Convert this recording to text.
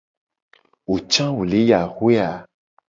Wo ca wo le yi axue a ?